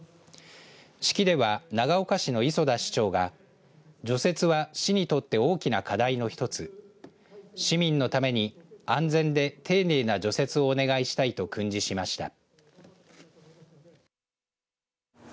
式では、長岡市の磯田市長が除雪は市にとって大きな課題の１つ市民のために安全で丁寧な除雪をお願いしたいと訓示しました。